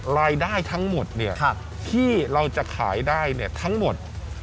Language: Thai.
รายได้ทั้งหมดที่เราจะขายได้ทั้งหมด